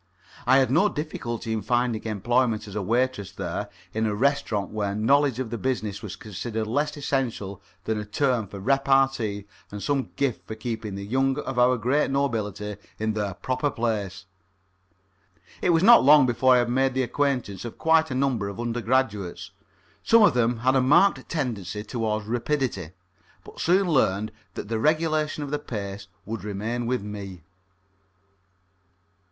I had no difficulty in finding employment as a waitress there in a restaurant where knowledge of the business was considered less essential than a turn for repartee and some gift for keeping the young of our great nobility in their proper place. It was not long before I had made the acquaintance of quite a number of undergraduates. Some of them had a marked tendency towards rapidity, but soon learned that the regulation of the pace would remain with me.